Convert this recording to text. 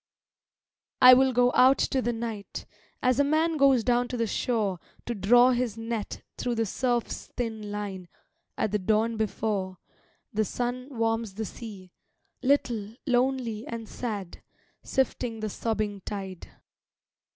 I will go out to the night, as a man goes down to the shore To draw his net through the surfs thin line, at the dawn before The sun warms the sea, little, lonely and sad, sifting the sobbing tide.